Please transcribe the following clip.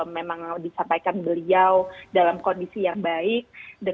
memang disampaikan beliau dalam kondisi yang baik